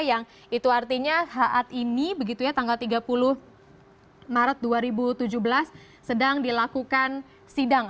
yang itu artinya saat ini begitu ya tanggal tiga puluh maret dua ribu tujuh belas sedang dilakukan sidang